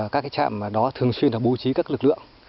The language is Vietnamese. các trạm đó thường xuyên bố trí các lực lượng